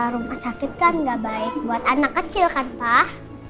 rumah sakit kan gak baik buat anak kecil kan pak